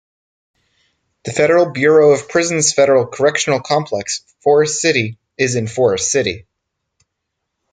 The Federal Bureau of Prisons Federal Correctional Complex, Forrest City is in Forrest City.